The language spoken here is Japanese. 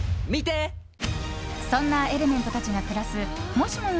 そんなエレメントたちが暮らすもしもの